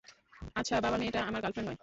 আচ্ছা, বাবা, মেয়েটা আমার গার্লফ্রেন্ড নয়!